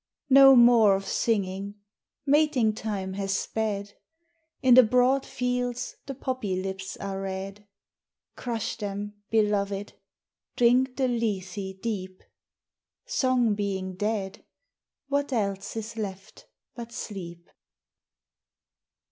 No more of singing; mating time has sped, In the broad fields the poppy lips are red. Crush them, Beloved, drink the lethe deep; Song being dead, what else is left but sleep?